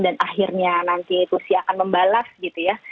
dan akhirnya nanti rusia akan membalas gitu ya